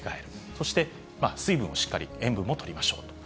そして、水分をしっかり、塩分もとりましょうと。